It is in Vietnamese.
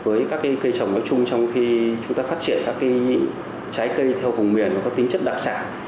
với các cây trồng nói chung trong khi chúng ta phát triển các trái cây theo vùng miền có tính chất đặc sản